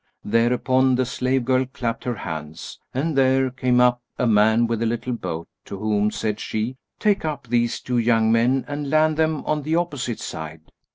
Thereupon the slave girl clapped her hands[FN#193] and there came up a man with a little boat to whom said she, "Take up these two young men and land them on the opposite side."